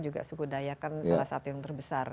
juga suku daya kan salah satu yang terbesar